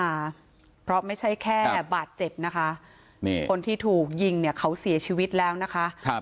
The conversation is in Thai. ค่ะเพราะไม่ใช่แค่แบบบาดเจ็บนะคะคนที่ถูกยิงเขาเสียชีวิตแล้วนะคะ